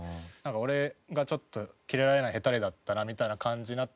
なんか俺がちょっとキレられないヘタレだったなみたいな感じに。